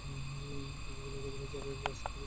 আমি গেলে রেগুলার যাতায়াতের রাস্তা ধরেই যেতাম।